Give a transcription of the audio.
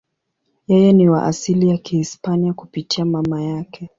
Yeye ni wa asili ya Kihispania kupitia mama yake.